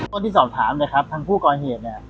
คนที่สอบถามเนี่ยครับทางผู้ก่อเหตุเนี่ย